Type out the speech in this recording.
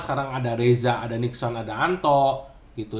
sekarang ada reza ada nixon ada anto gitu